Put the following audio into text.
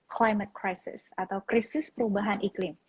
climate crisis atau krisis perubahan iklim